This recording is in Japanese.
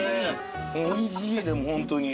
おいしいでもホントに。